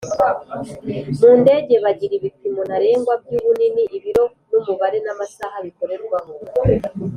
Mu ndege bagira ibipimo ntarengwa by’ ubunini , ibiro n’ umubare n’amasaha bikorerwaho.